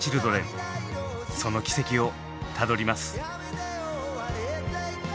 その軌跡をたどります。